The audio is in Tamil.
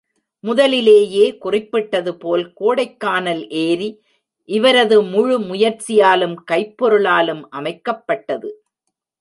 முதலிலேயே குறிப்பிட்டது போல், கோடைக்கானல் ஏரி இவரது முழு முயற்சியாலும், கைப்பொருளாலும் அமைக்கப்பட்டது.